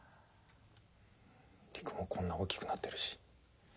璃久もこんな大きくなってるし。